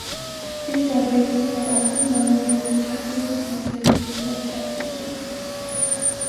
These databases are often bundled with "check guarantee" services like ChexSystems.